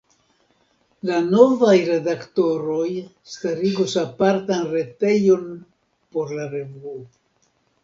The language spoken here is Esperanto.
La novaj redaktoroj starigos apartan retejon por la revuo.